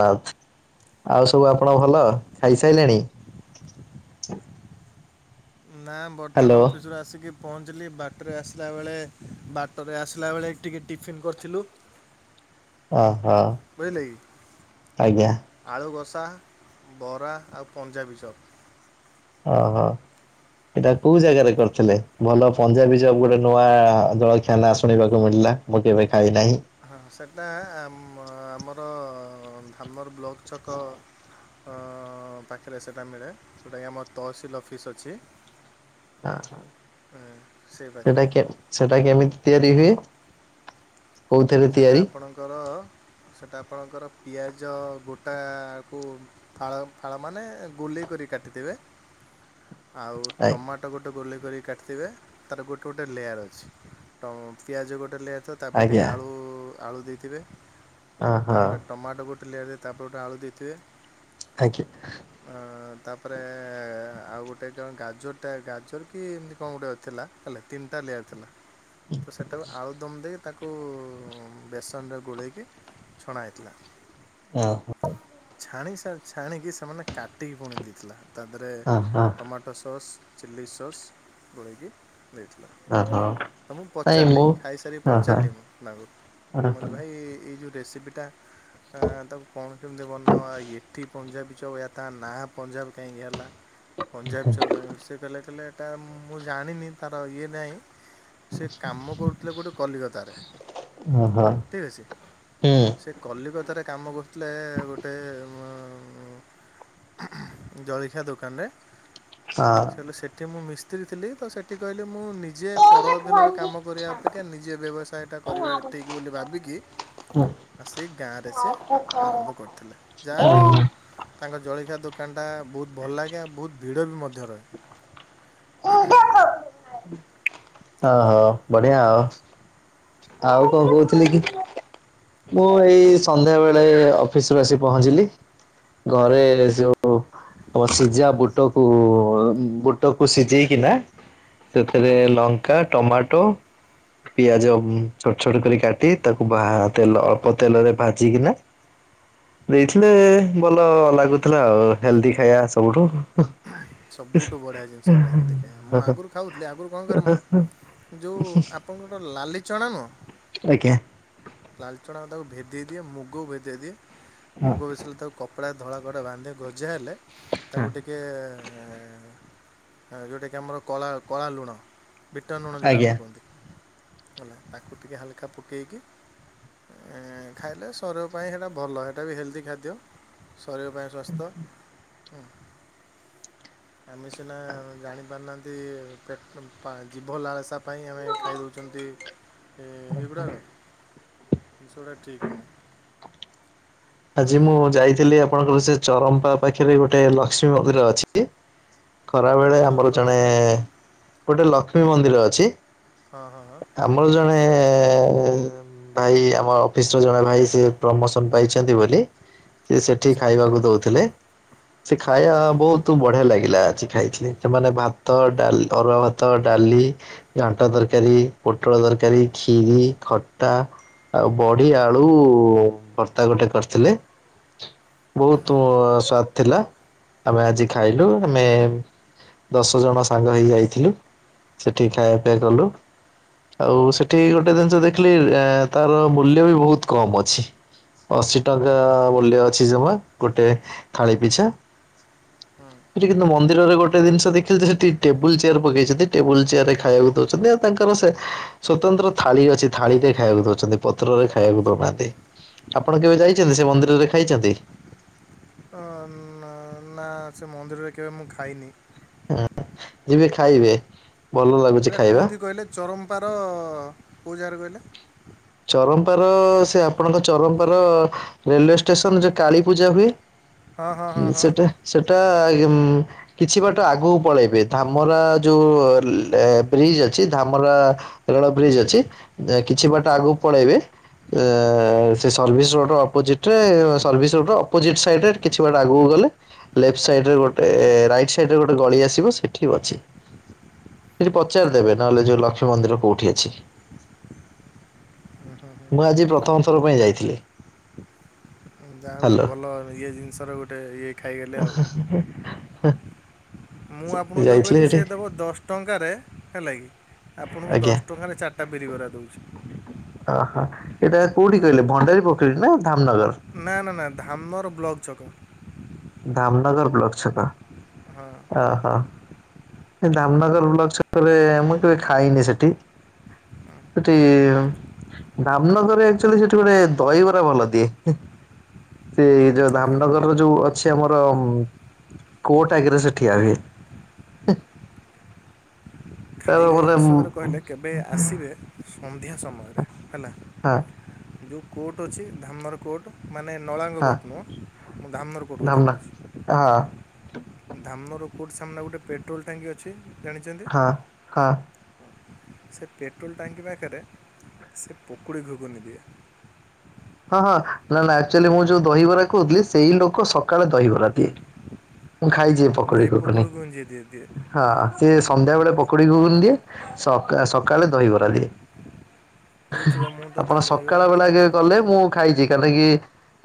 Mouth ଆଉ ସବୁ ଆପଣ ଭଲ? ଖାଇସାରିଲେଣି? ନା ହ୍ୟାଲୋ ବର୍ତ୍ତମାନ ଅଫିସୁରୁ ଆସିକି ପହଞ୍ଚିଲି ବାଟରେ ଆସିଲା ବେଳେ ବାଟରେ ଆସିଲା ବେଳେ ଟିକେ ଟିଫିନ୍ କରିଥିଲୁ। ଓହୋ ଆଜ୍ଞା। ଆଳୁକଷା ବରା ଆଉ ପଞ୍ଜାବୀ ଚପ୍। ଓହୋ। ଏଇଟା କୋଉ ଜାଗାରେ କରିଥିଲେ? ଭଲ ପଞ୍ଜାବୀ ଚପ ଗୋଟେ ନୂଆ ଜଳଖିଆ ଶୁଣିବାକୁ ମିଳିଲା। ମୁଁ କେବେଖାଇ ନାହିଁ। ହଁ ସେଟା ଆମ ଆମର ଧାମର ବ୍ଲକ ଛକ ପାଖରେ ସେଇଟା ମିଳେ ଯେଉଁଟାକି ଆମର ତହସିଲ ଅଫିସ୍ ଅଛି। ଏଁ, ସେଇ ସେଟା ପାଖରେ କେ ସେଟା କେମିତି ତିଆରି ହୁଏ? କୋଉଥିରେ ସେଇଟା ତିଆରି ଆପଣଙ୍କର ସେଇଟା ଆପଣଙ୍କର ପିଆଜ ଗୋଟାକୁ ଫାଳ ଫାଳମାନେ ଗୁଲେଇ କରି କାଟିଦେବେ। [unintelligible] ଆଉ ଟୋମାଟ। ତାକୁ ଗୋଟେ ଗୋଲେଇ କରିକି କାଟିଥିବେ ତାର ଗୋଟେ ଗୋଟେ ଲେୟାର୍ ଅଛି ତ ପିଆଜ ଗୋଟେ ଲେୟାର୍ ତ ତାପରେ ଟିକେ ଆଜ୍ଞା ଆଳୁ ଆଳୁ ଦେଇଥିବେ ଓହୋ ତାପରେ ଟମାଟୋ ଗୋଟେ ଲେୟାର୍ ଦେଇ ତା ଉପରେ ଗୋଟେ ଆଳୁ ଦେଇଥିବେ। ଆଜ୍ଞା। ତାପରେ ଆଉ ଗୋଟେ କଣ ଗାଜରଟା ଗାଜର କି ଏମତି କଣ ଗୋଟେ ଥେଲା। ହେଲେ ତିନିଟା ଲେୟାର ଥିଲା ତ ସେଇଟାକୁ ଆଳୁଦମ୍ ଦେଇକି ତାକୁ ବେସନରେ ଗୋଳେଇକି ଛଣା ହେଇଥିଲା। ଅ ହଁ ଛାଣିକି ସିଆଡେ ଛାଣିକି ସେମାନେ କାଟିକି ପୁଣି ଦେଇଥିଲା ତା ଦେହରେ ଓହୋ tomato tomato sauce chilli sauce ଗୋଳେଇକି ଦେଇଥିଲା। ଓହୋ ତ ମୁଁ ନାଇଁ ପଚାରିଲି ମୁଁ ଖାଇସାରିକି ଓହୋ ପଚାରିଲି ମୁଁ ତାଙ୍କୁ ଓହୋ ମୁରଲି ଭାଇ ଏ ଏଇ ଯୋଉ ରେସିପିଟା ଆ ତାକୁ କଣ କେମିତି ବନାଅ ଏଠି ପଞ୍ଜାବୀ ଛୁଆ କାହିଆ କଥା ନାଁ ପଞ୍ଜାବୀ କାହିଁକି ହେଲା? ପଞ୍ଜାବୀ ଛୁଆ କହି ସେ କହିଲେ କହିଲେ ଏଟା ମୁଁ ଜାଣିନି ତାର ଇଏ ନାଇଁ। ସେ କାମ କରୁଥିଲା କୁଆଡେ କଲିକତାରେ। ଓହୋ। ଠିକ୍ ଅଛି ସେ କଲିକତାରେ କାମ କରୁଥିଲା ଗୋଟେ ଉଁ ଜଳଖିଆ ଦୋକାନରେ ହଁ କହିଲେ ସେଠି ମୁଁ ମିସ୍ତ୍ରୀ ଥିଲି ତ ସେଠି କହିଲି ମୁଁ ନିଜେ ପରଅଧୀନରେ କାମ କରିଆ ଅପେକ୍ଷା ନିଜେ ବ୍ୟବସାୟଟା କରିବା ଠିକ୍ ବୋଲି ଭାବିକି ଆ ସେଇ ଗାଁରେ ସେ ଆରମ୍ଭ କରିଥିଲେ ଯାହା ବିି ହେଉ ତାଙ୍କ ଜଳଖିଆ ଦୋକାନଟା ବହୁତ୍ ଭଲ ଲାଗେ ଆଉ ବହୁତ୍ ଭିଡ଼ ବି ମଧ୍ୟ ରହେ। ଓହୋ ବଢିଆ ଆଉ, ଆଉ କଣ ଆପଣ କହୁଥିଲି ଖାଇଲେ କି? ମୁଁ ଏଇ ସନ୍ଧ୍ୟାବେଳେ ଅଫିସରୁ ଆସି ପହଞ୍ଚିଲି ଘରେ ଆଜ୍ଞା ଓ ସିଝା ବୁଟକୁ ବୁଟକୁ ସିଝେଇକିନା ସେଥିରେ ଲଙ୍ଗ କା ଟମାଟୋ ପିଆଜ ଛୋଟ ଛୋଟ କରି କାଟି ତାକୁ ବା ତେଲ ପ ତେଲରେ ଭାଜିକିନା ଦେଇଥିଲେ ଭଲ ଲାଗୁଥିଲା ଆଉ ହେଲ୍ଦି ଖାଇବା ସବୁଠୁ ସବୁଠୁ ବଢ଼ିଆ ଜିନିଷ ଏଇଟା ହେଲ୍ଦି ଖାଇବା ମୁଁ ଆଗରୁ ଖାଉଥିଲି ଆଗରୁ କଣ କରେ ମୁଁ ଯୋଉ ଆପଣଙ୍କର ଲାଲିଚଣା ନୁହଁ? ଆଜ୍ଞା। ଲାଲଚଣା ଅଦାକୁ ଭେଦେଇ ଦିଏ ମୁଗକୁ ଭେଦେଇ ଦିଏ ହଁ ମୁଗ ମିଶିଲେ ତାକୁ କପଡ଼ା ଧଳା କପଡା ବାନ୍ଧି ଗଜା ହେଲେ ତାକୁ ଟିକେ ଟା ଯୋଉଟା କି ଆମର କଳା କଳା ଲୁଣ। ବିଟନୁଣ ଯୋଉଟା ଆଜ୍ଞା। ଆମେ କୁହନ୍ତି ହେଲା ତାକୁ ଟିକେ ହାଲକା ପକେଇକି ଏ ଖାଇଲେ ଶରୀର ପାଇଁ ସେଇଟା ଭଲ ସେଇଟା ବି ହେଲ୍ଦି ଖାଦ୍ୟ ଶରୀର ପାଇଁ। ବ୍ୟସ୍ତ ହୁଁ ଆମେ ସିନା ଜାଣି ପାରୁନାହାନ୍ତି। ଏ ପେ-ପା-ଜୀଭ ଲାଳସା ପାଇଁ ଆମେ ଖାଇଦଉଛନ୍ତି। ଏ ଏଗୁଡାକ ସେଗୁଡା ଠିକ୍ ନୁହଁ। ଆଜି ମୁଁ ଯାଇଥିଲି ଆପଣଙ୍କର ସେ ଚରମ୍ପା ପାଖରେ ଗୋଟେ ଲକ୍ଷ୍ମୀ ମନ୍ଦିର ଅଛି। ଖରାବେେଳେ ଆମର ଚରମ୍ପା ଜଣେ ପାଖରେ ଗୋଟେ ଲକ୍ଷ୍ମୀ ମନ୍ଦିର ଅଛି। ହଁ ହଁ ହଁ। ଆମର ଜଣେ ଭାଇ ଆମ ଅଫିସର ଜଣେ ଭାଇ ସେ ପ୍ରମୋସନ ପାଇଛି। ସେନ୍ତି ବୋଲି ସେ ସେଠି ଆଚ୍ଛା ଖାଇବାକୁ ଦଉଥିଲେ। ସେ ଖାଇବା ଆଜ୍ଞା ବହୁତ ତୁ ବଢିଆ ଲାଗିଲା ଆଜି ଖାଇଥିଲି। ସେମାନେ ଭାତ ଡାଲି ଅରୁଆ ଭାତ ଡାଲି ଘାଣ୍ଟ ତରକାରୀ ପୋଟଳ ତରକାରୀ, ଖିରି, ଖଟା ଆଉ ବଢି ଆଳୁ ତା ଗୋଟେ କରିଥିଲେ। ବହୁତ ସ୍ଵାଦ ଥିଲା। ଆମେ ଆଜି ଖାଇଲୁ। ଆମେ ଦଶ ଜଣ ସାଙ୍ଗ ହେଇ ଯାଇଥିଲୁ। ସେଠି ଖାଇବା ପିବା କଲୁ। ଆଉ ସେଇଠି ଗୋଟେ ଜିନିଷ ଦେଖିଲି ତାର ମୂଲ୍ୟ ବି ବହୁତ କମ୍ ଅଛି। ଅଶୀ ଟଙ୍କା ମୂଲ୍ୟ ଅଛି ଜମା ଗୋଟେ ଥାଳି ପିଛା। ହଁ ନ- ସେଠି କିନ୍ତୁ ମନ୍ଦିରରେ ଗୋଟେ ଜିନିଷ ଦେଖିଲେ ଯେ ସେଠି ଟେବୁଲ ଚେୟାର ପକେଇଛନ୍ତି ଟେବୁଲ ଚେୟାର ରେ ଖାଇବାକୁ ଦଉଛନ୍ତି ଆଉ ତାଙ୍କର ସେ ସ୍ଵତନ୍ତ୍ର ଥାଳି ଅଛି ଥାଳିରେ ଖାଇବାକୁ ଦଉଛନ୍ତି ପତ୍ରରେ ଖାଇବାକୁ ଦେବାର ନାହଁ। ଆପଣ କେବେ ଯାଇଛନ୍ତି ସେ ମନ୍ଦିରରେ ଖାଇଛନ୍ତି? ଅ ନା ସେ ମନ୍ଦିରରେ କେବେ ମୁଁ ଖାଇନି। ହଁ ଯିବେ ଖାଇବେ ଭଲ ଲାଗୁଛି ସେଇଟା ଖାଇବା। କେଉଁଠି କହିଲେ ଚରମ୍ପାର କେଉ‌ ଯାଗାର କହିଲେ? ଚରମ୍ପାର ସେ ଆପଣଙ୍କ ଚରମ୍ପାର ରେଲୱେ ଷ୍ଟେସନ ଯୋଉ କାଳୀ ପୂଜା ହୁଏ। ହଁ ହଁ ହଁ ହଁ ସେଟା ସେଟା କିଛି ବାଟ ଆଗକୁ ପଳେଇବେ। ଧାମରା ଯୋଉ ବ୍ରିଜ ଅଛି ଧାମରା ରେଳ ବ୍ରିଜ୍ ଅଛି କିଛି ବାଟ ଆଚ୍ଛା ଆଗକୁ ପଳେଇବେ ସେ ସର୍ଭିସ୍ ରୋଡ ଅପୋଜିଟରେ ସର୍ଭିସ୍ ରୋଡ ର ଅପୋଜିଟ୍ ସାଇଡ କିଛି ବାଟେ ଆଗକୁ ଗଲେ ଲେଫ୍ଟ ସାଇଡ ରେ ଗୋଟେ ରାଇଟ ସାଇଡରେ ଗୋଟେ ଗଳି ଆସିବ ସେଠି ଅଛି। ସେଠି ପଚାର ଦେବେ ଓହୋ ନହେଲେ ଯେଉଁ ଲକ୍ଷ୍ମୀ ମନ୍ଦିର କଉଠି ଅଛି? ମୁଁ ଆଜି ପ୍ରଥମ ଥର ପାଇଁ ଯାଇଥିଲି। ଯାହା ଗୋଟେ ହ୍ୟାଲୋ ଭଲ ଇଏ ଜିନିଷର ଗୋଟେ ଗ ଇଏ ଖାଇଗଲେ ଆଉ। ମୁଁ ଆପଣଙ୍କୁ ଯୋଉ ଯାଇଥିଲି କହିଲି ସେଠି ସେ ଦେବ ଦଶ୍ ଟଙ୍କାରେ ହେଲା କି ଆପଣଙ୍କୁ ଆଜ୍ଞା ଦଶ ଟଙ୍କାରେ ଚାରିଟା ବିରି କର ଦଉଛି। ଓହୋ ଏଇଟା କୋଉଠି ହେଲା କହିଲେ ଭଣ୍ଡାରୀ ପୋଖରୀ ନା ଧାମନଗର? ନା ନା ନା ଧାମନଗର ବ୍ଲକ ଛକ। ଧାମନଗର ବ୍ଲକ ଛକା। ହଁ ଅ ହ। ଧାମନଗର ବ୍ଲକ ରେ ମୁଁ କେବେ ଖାଇନି ସେଠି। ସେଟି ଧାମନଗରରେ ଏକଚୁଆଲି ସେଠି ଗୋଟେ ଦହିବରା ଭଲ ଦିଏ। ସେ ଯୋଉ ହଁ ଧାମନଗରର ଯୋଉ ଅଛି ଆମର କୋଟ ଆଗରେ ସେ ଠିଆ ହିଏ। ତାର ଖାଇବା ଗୋଟେ ହଁ ଜିନିଷରେ କହିଲେ କେବେ ଆସିବେ ସନ୍ଧ୍ୟା ସମୟ ଆରେ ହେଲା। ହଁ ଯେଉଁ କୋର୍ଟ ଅଛି ଧାମନର କୋର୍ଟ ମାନେ ନଳାଙ୍ଗ କୋର୍ଟ ନୁହଁ ଧାମନର କୋର୍ଟ କଥା କୋହୁଚି। ଅ ଧାମନର କୋର୍ଟ ସାମ୍ନା ଗୋଟେ ପେଟ୍ରୋଲ୍ ଟାଙ୍କି ଅଛି। ଜାଣିଛନ୍ତି ହଁ ହଁ। ସେ ପେଟ୍ରୋଲ୍ ଟାଙ୍କି ପାଖରେ ସେ ପକୁଡ଼ି ଘୁକୁୁନି ଦିଏ। ହଁ ହଁ ନାଁ ନାଁ ଆକ୍ଚୁଆଲି ମୁଁ ଯୋଉ ଦହିବରା କୋହୁଥିଲି ସେଇ ଲୋକ ସକାଳେ ଦହିବରା ଦିଏ। ମୁଁ ଖାଇଚି ପକୁଡ଼ି ଯିଏ ଘୁଘୁନି। ଘୁଗୁନି ଯିଏ ଦିଏ ଦିଏ ହଁ ସିଏ ସନ୍ଧ୍ୟା ବେଳେ ପକୁଡ଼ି ଗୁଗୁନି ଦିଏ ସକା ସକାଳେ ଦହିବରା ଦିଏ। ହେଇଥିବ ମୁଁ ତ ଆପଣ ତା ଦହିବରା ସକାଳ ମୁଁ ବେଳାକେ ଖାଇନି ଗଲେ ମୁଁ ଖାଇଚି କାଲିକି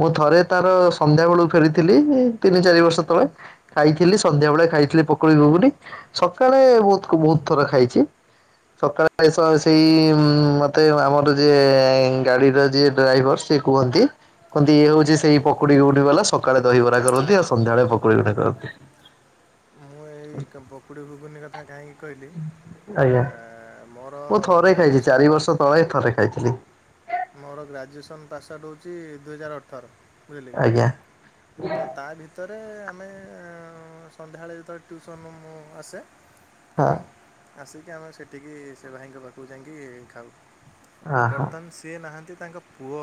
ମୁଁ ଥରେ ତାର ସନ୍ଧ୍ୟାବେଳୁ ଫେରିଥିଲି ତିନି ଚାରି ବର୍ଷ ତଳେ। ଖାଇଥିଲି ସନ୍ଧ୍ୟାବେଳେ ଖାଇଥିଲି ପକୁଡ଼ି ଘୁଘୁନି। ସକାଳେ ବହୁ ବହୁତ ଥର ଖାଇଛି। ସକାଳେ ସେଇ ମତେ ଆମର ଯିଏ ଗାଡିର ଯିଏ ଡ୍ରାଇଭର ସେ କୁହନ୍ତି କୁହନ୍ତି ଇଏ ହଉଛି ସେଇ ପକୁଡି ଘୁଘୁନି ବାଲା ସକାଳେ ଦହିବରା କରନ୍ତି ଆଉ ସନ୍ଧ୍ୟାବେଳେ ପକୁଡ଼ି ଘୁଘୁନି କରନ୍ତି। ମୁଁ ଏଇ ପକୁଡ଼ି ଘୁଘୁନି କଥା କାହିଁକି କହିଲି ଆ ଆଜ୍ଞା ମୁଁ ଥରେ ଖାଇଚି, ଚାରି ବର୍ଷ ତଳେ ଥରେ ଖାଇଥିଲି। ମୋର ଗ୍ରାଜୁଏସନ୍ ପାସ୍ଆଉଟ୍ ହଉଛି ଦୁଇହଜାର ଅଠର ବୁଝିଲେ ଆଜ୍ଞା କି। ତ ତା ଭିତରେ ଆମେ ଅଁ ସନ୍ଧ୍ୟାବେଳେ ଯେତେବେଳେ ଟିଉସନରୁ ମୁ ଆସେ ହଁ। ହୁଁ। ଆସିକି ଆମେ ସେଠିକି ସେ ଭାଇଙ୍କ ପାଖକୁ ଜାଇଁକି ଖାଉ। ଅ ହଁ ବର୍ତ୍ତମାନ ସିଏ ନାହାନ୍ତି ତାଙ୍କ ପୁଅ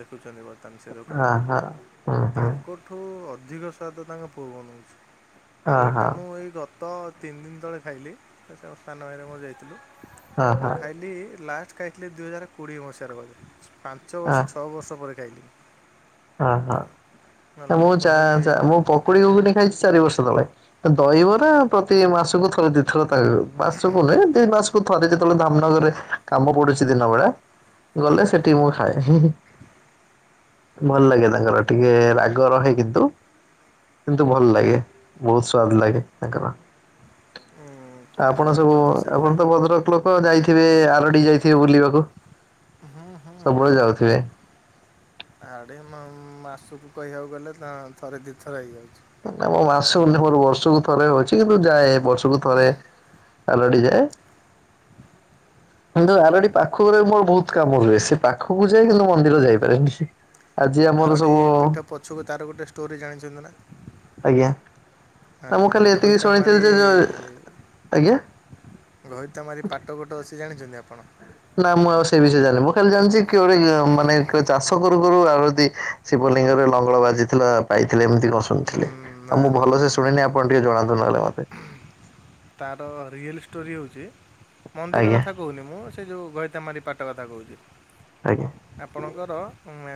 ଦେଖୁଚନ୍ତି ବୋଧେ। ତାଙ୍କ ସେ ଅ ଦୋକାନକୁ ହଁ ହୁଁ ହୁଁ ତାଙ୍କଠୁ ଠୁ ଅଧିକ ସ୍ୱାଦ ତାଙ୍କ ପୁଅ ବନଉଛି ଅ ଆଉ ଏଟା ହଁ। ମୁଁ ଏଇ ଗତ ତ ତିନି ଦିନ ତଳେ ଖାଇଲି ସେ ସାନ ଭାଇର ମୋର ଯାଇଥିଲୁ। ହଁ ଆଉ ହଁ ଖାଇଲି ଲାଷ୍ଟ ଖାଇଥିଲି ଦୁଇହଜାର କୋଡ଼ିଏ ମସିହାରେ ବୋଧେ। ପାଞ୍ଚ ବର୍ଷ ଛଅ ବର୍ଷ ପରେ ଖାଇଲି। ହେଲା ଓହୋ ମୁଁ ଚା କହିଲି ମୁଁ ପକୁଡି ଘୁଘୁନି ଖାଇଛି ଚାରି ବର୍ଷ ତଳେ। ଦହିବରା ପ୍ରତି ମାସକୁ ଥରେ ଦିଥର ତା ମାସକୁ ନୁହେଁ ଦି ମାସ କୁ ଥରେ ଯେତେବେଳେ ଧାମନଗରରେ କାମ ପଡୁଛି ଦିନବେଳା ଗଲେ ସେଠି ମୁଁ ଖାଏ। ହିଁ ହିଁ। ଭଲ ଲାଗେ ତାଙ୍କର ଟିକେ ରାଗ ରହେ କିନ୍ତୁ କିନ୍ତୁ ଭଲ ଲାଗେ। ବହୁତ ସ୍ଵାଦ ଲାଗେ ତାଙ୍କର। ଆପଣ ଖାଇଲା ତ ସବୁ ତ ଆପଣ ସେଟା ତ ଭଦ୍ରକ ଲୋକ୍ କ ଯାଇଥିବେ ଆରଡି ଯାଇଥିବେ ବୁଲିବାକୁ ସବୁବେଳେ ଯାଉଥିବେ। ହୁଁ-ହୁଁ-ହୁଁ। ଆଡେ ମ-ମ୍ ମାସୁକୁ କହିଆକୁ ଗଲେ ଥରେ ଦିଇ ଥର ହେଇଯାଉଛି। ନା ମୋର ମାସକୁ ହେଲା ନୁହେଁ ମୋର ବର୍ଷକୁ ଥରେ ହଉଛି କିନ୍ତୁ ଯାଏ ବର୍ଷକୁ ଥରେ ଆରଡି ଯାଏ। କିନ୍ତୁ ଆରଡି ପାଖରେ ମୋର ବହୁତ କାମ ହୁଏ ସେ ପାଖକୁ ଯାଏ କିନ୍ତୁ ମନ୍ଦିର ଯାଇପାରେନି। ଆଜି ଆମର ଆରଡ଼ି ସବୁ ପିଠ ପଛୁକୁ ତାର ଗୋଟେ ଷ୍ଟୋରି ଜାଣିଛନ୍ତି ନା? ଆଜ୍ଞା ନା ମୁଁ ଖାଲି ଆଁ ଏତିକି ଘଇତାମାରି ଶୁଣିଥିଲି ଯେ ଯୋଉ ଆଜ୍ଞା ଘଇତାମାରି ପାଟ ଗୋଟେ ଅଛି ଜାଣିଛନ୍ତି ଆପଣ? ନା ମୁଁ ଆଉ ସେଇ ବିଷୟରେ ଜାଣିନି ମୁଁ ଖାଲି ଜାଣିଛି କିଏ ଗୋଟେ ମାନେ ଚାଷ କରୁ କରୁ ଆଉ ଯଦି ଶିବଲିଙ୍ଗରେ ଲଙ୍ଗଳ ବାଜିଥିଲା ପାଇଥିଲେ ଏମିତି କସ୍‌ ଉଁ, ଶୁଣିଥିଲି ନା ଆଉ ମୁଁ ନା ଭଲ ନା ସେ ନା ଶୁଣିନି ନା ଆପଣ ଟିକେ ଜଣାନ୍ତୁ ନହେଲେ ମତେ। ତାର ରିଏଲ୍ ଷ୍ଟୋରି ହଉଛି ମନ୍ଦିର ଆଜ୍ଞା କଥା କହୁନି ମୁଁ ସେ ଯେଉଁ ଘଇତାମାରି ପାଟ କଥା କହୁଛି। ଆଜ୍ଞା। ଆପଣଙ୍କର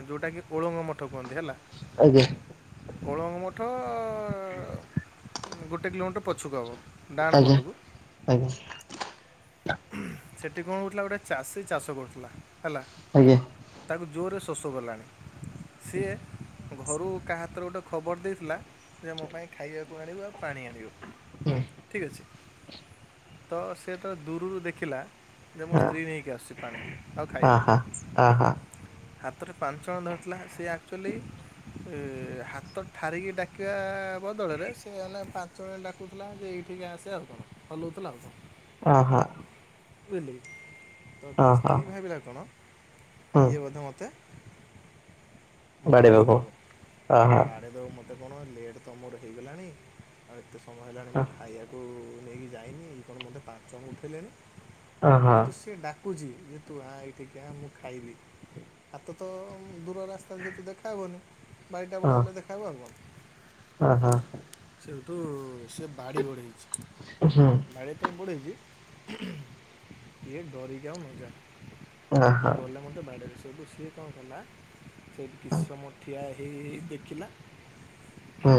ଯୋଉଟାକି ଓଳଙ୍ଗ ମଠ କୁହନ୍ତି ହେଲା। ଆଜ୍ଞା। ଓଳଙ୍ଗ ମଠ ଗୋଟେ କିଲୋମିଟର ପଛକୁ ହବ। ଡାହାଣ ଆଜ୍ଞା। ପଟକୁ ଆଜ୍ଞା। ସେଠି କଣ ହେଉଥିଲା ଗୋଟେ ଚାଷୀ ଚାଷ କରୁଥିଲା ହେଲା ଆଜ୍ଞା। ତାକୁ ଜୋରରେ ଶୋଷ କଲାଣି। ସିଏ ଘରୁ କାହା ହାତରେ ଗୋଟେ ଖବର ଦେଇଥିଲା ଯେ ମୋ ପାଇଁ ଖାଇବାକୁ ଆଣିବୁ ଆଉ ପାଣି ଆଣିବୁ। ହୁଁ। ଠିକ୍ ଅଛି। ତ ସେ ଯେତେବେଳେ ଦୂରରୁ ଦେଖିଲା ଯେ ମୋ ହଁ ସ୍ତ୍ରୀ ନେଇକି ଆସୁଛି ପାଣି ଆଉ ଖାଇବା। ଆହା ଆହା ହାତରେ ପାଞ୍ଚଣ ଧରିଥିଲା ସିଏ ଆକଚୁଲି ଏ ହାତ ଠାରିକି ଡାକିବା ବଦଳରେ ସେ ମେ ପାଞ୍ଚଣରେ ଡା କହୁଥିଲା ଯେ ଏଇଠିକି ଆସେ ଆଉ କଣ ହଲଉଥିଲା ଆଉ କଣ? ଅ ହଁ। ବୁଝିଲି ତ ତା ଆହା ସ୍ତ୍ରୀ ଭାବିଲା କଣ ହୁଁ ଇଏ ବୋଧ ମୋତେ ବାଡ଼େଇବାକୁ ମାରିଦେବ ଆହା ବାଡ଼େଦବ ମୋତେ କଣ ଲେଟ୍ ତ ମୋର ହେଇଗଲାଣି ଆଉ ଏତେ ସମୟ ହେଲାଣି ମୁଁ ଖାଇବାକୁ ନେଇକି ଯାଇନି ଏ କଣ ମୋତେ ପାଞ୍ଚଣ ଉଠେଇଲେଣି କିନ୍ତୁ ସେ ଡାକୁଛି ଯେ ତୁ ଆ ଏଇଠିକି ଆ ମୁଁ ଖାଇବି। ହାତ ତ ଦୂର ରାସ୍ତାରେ ଯେହେତୁ ଦେଖାହବନି ବାଡ଼ିଟା ପଡ଼େଇଲେ ଦେଖାହବ ଆଉ କଣ। ଅ ହଁ। କିନ୍ତୁ ସେ ବାଡି ବଢେଇଛି। ଉଁ ହୁଁ। ବାଡ଼ି ତ ବଢ଼େଇଛି ଇଏ ଡରିକି ଆଉ ନଜା ଗଲେ ମତେ ବାଡିରେ ସେଇଠୁ ସିଏ କଣ କଲା କିଛି ସମୟ ଠିଆ ହେଇ ହେଇ ଦେଖିଲା ହଁ।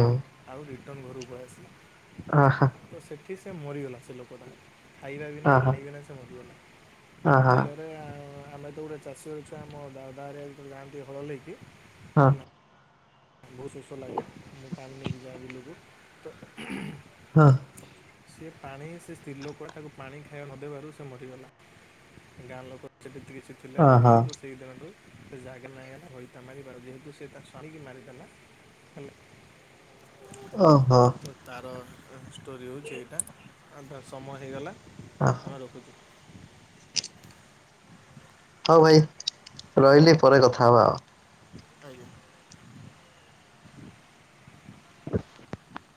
ଆଉ ରିଟନ ଘରକୁ ପଳେଇ ଆସିିଲ। ଓହୋ। ତ ସେଠି ସେ ମରିଗଲା ସେ ଲୋକଟା। ଖାଇବା ବିନା ପାଣି ବିନା ସେ ମରିଗଲା ବିଲରେ ଆମେ ତ ଗୋଟେ ଚାଷୀ ହେଉଛ ଆମ ଦାଦା ହେରିକା ଯେତେବେଳେ ଯାଆନ୍ତି ହଳଲେଇକି ହଁ। ବହୁତ ଶୋଷ ଲାଗେ ମୁଁ ପାଣି ନେଇକି ଯାଏ ବିଲକୁ। ହଁ। ସେ ପାଣି ସେ ସ୍ତ୍ରୀ ଲୋକ ତାକୁ ପାଣି ଖାଇବା ନ ଦେବାରୁ ସେ ମରିଗଲା। ଗାଁ ଲୋକ ସେ [unintelligible] ଥିଲା ଦେଖିଲେ ତ ସେଇ ଦିନଠୁ ସେ ଜାଗା ନାଁ ହେଇଗଲା ଘଇତା ମାରିବାର ଯେହେତୁ ସେ ତା ସ୍ବାମୀକି ମାରି [unintelligible] ଓହୋ। ତାର ଷ୍ଟୋରି ହେଉଛି ଏଇଟା ସମୟ ହେଇଗଲା ଆମେ ରଖୁଛୁ। ହଉ ଭାଇ ରହିଲି ପରେ କଥା ହବା ଆଉ। ଆଜ୍ଞା। [inaudible]